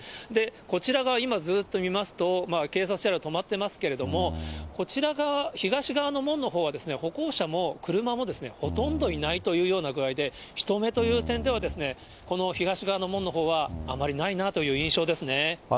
こちらが今、ずっと見ますと、警察車両、止まってますけれども、こちら側、東側の門のほうはですね、歩行者も車もですね、ほとんどいないというような具合で、人目という点では、この東側の門のほうはあまりないなという印象ですね。